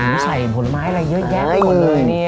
อุ้ยใส่ผลไม้อะไรเยอะแยะมากเลยเนี่ย